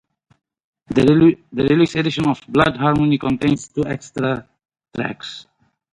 The deluxe edition of "Blood Harmony" contains two extra tracks.